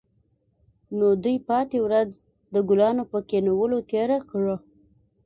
نو دوی پاتې ورځ د ګلانو په کینولو تیره کړه